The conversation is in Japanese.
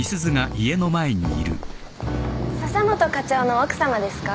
笹本課長の奥さまですか？